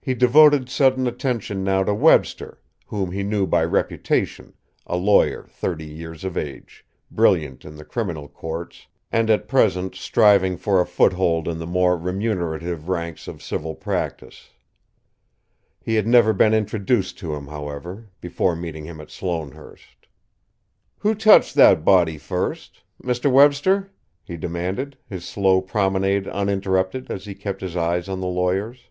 He devoted sudden attention now to Webster, whom he knew by reputation a lawyer thirty years of age, brilliant in the criminal courts, and at present striving for a foothold in the more remunerative ranks of civil practice. He had never been introduced to him, however, before meeting him at Sloanehurst. "Who touched that body first Mr. Webster?" he demanded, his slow promenade uninterrupted as he kept his eyes on the lawyer's.